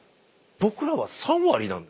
僕らは３割なんですか？